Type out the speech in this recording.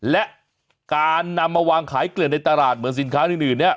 และการนำมาวางขายเกลือดในตลาดเหมือนสินค้าอื่นเนี่ย